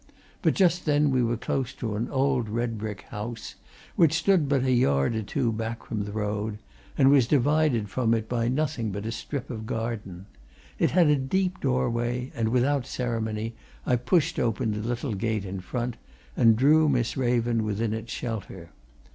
But just then we were close to an old red brick house, which stood but a yard or two back from the road, and was divided from it by nothing but a strip of garden. It had a deep doorway, and without ceremony, I pushed open the little gate in front, and drew Miss Raven within its shelter.